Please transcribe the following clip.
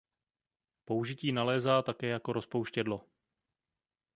Použití nalézá také jako rozpouštědlo.